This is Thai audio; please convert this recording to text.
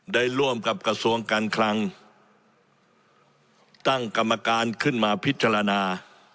ได้ร่วมกับกระทรวงการคลังตั้งกรรมการขึ้นมาพิจารณา